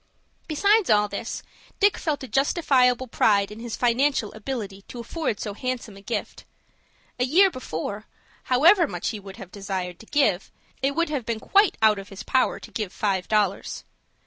Besides all this, Dick felt a justifiable pride in his financial ability to afford so handsome a gift. A year before, however much he might have desired to give, it would have been quite out of his power to give five dollars.